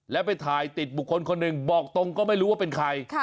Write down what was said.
แล้วไปถ่ายติดบุคคลคนหนึ่งบอกตรงก็ไม่รู้ว่าเป็นใคร